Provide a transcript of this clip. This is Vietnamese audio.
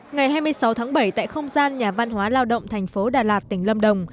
ngày hai mươi sáu tháng bảy tại không gian nhà văn hóa lao động thành phố đà lạt tỉnh lâm đồng